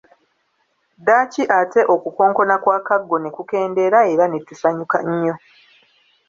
Ddaaki ate okukonkona kw'akaggo ne kukendeera era ne tusanyuka nnyo.